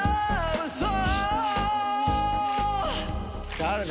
誰だ？